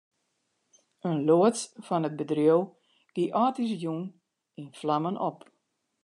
In loads fan it bedriuw gie âldjiersjûn yn flammen op.